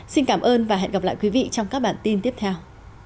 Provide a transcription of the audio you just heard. xin cảm ơn và hẹn gặp lại quý vị trong các bản tin tiếp theo